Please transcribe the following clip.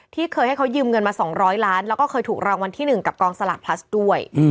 เคยให้เขายืมเงินมา๒๐๐ล้านแล้วก็เคยถูกรางวัลที่๑กับกองสลากพลัสด้วย